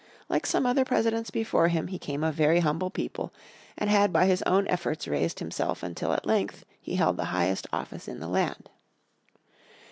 Like some other Presidents before him he came of very humble people, and had by his own efforts raised himself until at length he held the highest office in the land.